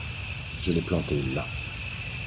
Je l'ai plantée là.